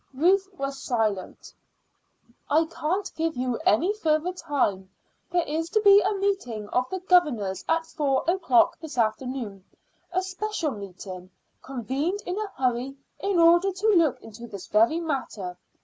Ruth was silent. "I can't give you any further time. There is to be a meeting of the governors at four o'clock this afternoon a special meeting, convened in a hurry in order to look into this very matter.